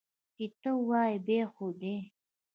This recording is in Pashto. چې ته وایې، بیا خو دي!